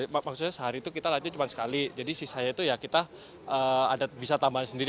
maksudnya sehari itu kita latih cuma sekali jadi sisanya itu ya kita ada bisa tambahan sendiri